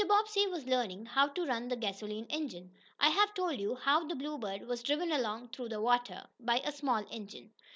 Bobbsey was learning how to run the gasoline engine. I have told you how the Bluebird was driven along through the water by a small engine.